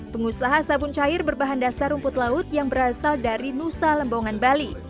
pengusaha sabun cair berbahan dasar rumput laut yang berasal dari nusa lembongan bali